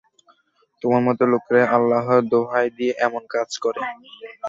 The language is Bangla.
তোমার মতো লোকেরাই আল্লাহর দোহাই দিয়ে এমন কাজ করে।